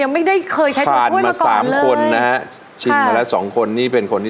ไม่ใช้